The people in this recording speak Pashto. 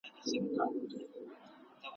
تقدیر باور زړونه قوي کوي.